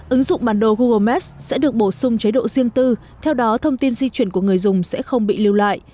ứng dụng bản đồ google maps sẽ được bổ sung chế độ riêng tư theo đó thông tin di chuyển của người dùng sẽ không bị lưu lại